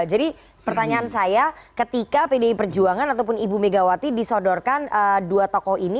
jadi pertanyaan saya ketika pdi perjuangan ataupun ibu megawati disodorkan dua tokoh ini